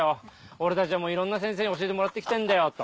俺たちはもういろんな先生に教えてもらってきてんだよ」と。